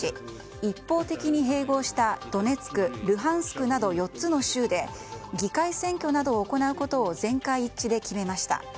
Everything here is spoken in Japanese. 一方的に併合したドネツク、ルハンスクなど４つの州で議会選挙などを行うことを全会一致で決めました。